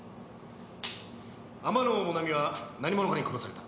天野もなみは何者かに殺された。